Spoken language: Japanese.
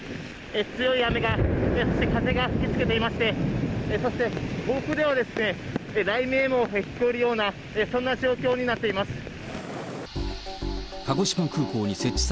強い雨が、そして風が吹きつけていまして、そして遠くでは雷鳴も聞こえるような、そんな状況になっています。